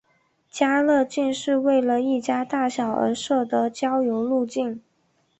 家乐径是为了一家大小而设的郊游路径。